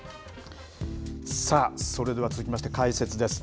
さあ、それでは続きまして、解説です。